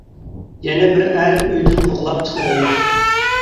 يەنە بىر ئەر ئۆيدىن قوغلاپ چىقىرىلدى.